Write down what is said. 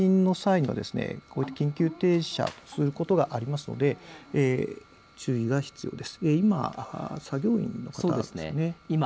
やはり大きな地震の際にはですねこういった緊急停車することがありますので注意が必要です。